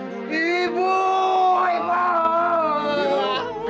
ibu ibu ibu